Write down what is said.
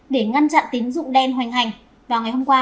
để ngăn chặn tín dụng đen hoành hành vào ngày hôm qua